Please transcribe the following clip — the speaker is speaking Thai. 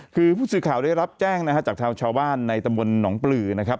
คือผู้สื่อข่าวได้รับแจ้งนะฮะจากทางชาวบ้านในตำบลหนองปลือนะครับ